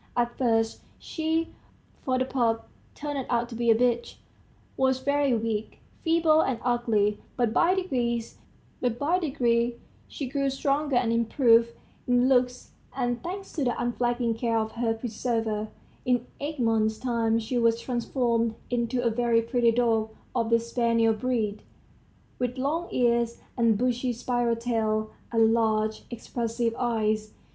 At first she for the pup turned out to be a bitch was very weak, feeble, and ugly, but by degrees she grew stronger and improved in looks, and, thanks to the unflagging care of her preserver, in eight months' time she was transformed into a very pretty dog of the spaniel breed, with long ears, a bushy spiral tail, and large, expressive eyes.